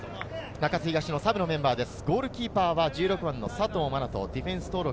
中津東のサブのメンバーです。